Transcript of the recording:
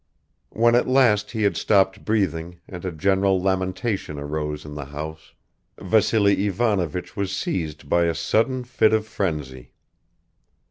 When at last he had stopped breathing and a general lamentation arose in the house, Vassily Ivanovich was seized by a sudden fit of frenzy.